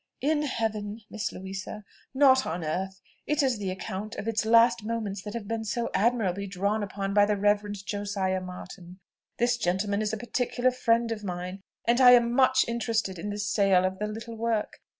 "In heaven, Miss Louisa, not on earth. It is the account of its last moments that have been so admirably drawn up by the Reverend Josiah Martin. This gentleman is a particular friend of mine, and I am much interested in the sale of the little work.